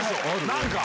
何か。